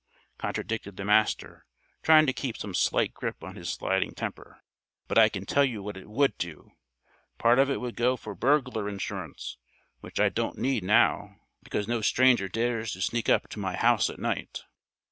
contradicted the Master, trying to keep some slight grip on his sliding temper. "But I can tell you what it would do: Part of it would go for burglar insurance, which I don't need now, because no stranger dares to sneak up to my house at night.